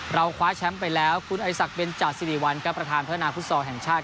เราคว้าแชมป์ไปแล้วคุณอาฬิสักเบนจาศิริวัลกับประธานธนาภูมิศาสตร์แห่งชาติ